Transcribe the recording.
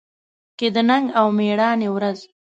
کې د ننګ او مېړانې ورځ